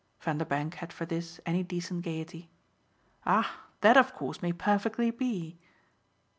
Vanderbank had for this any decent gaiety. "Ah that of course may perfectly be!"